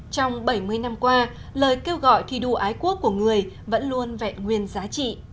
trong bảy mươi năm qua lời kêu gọi thi đua ái quốc của người vẫn luôn vẹn nguyên giá trị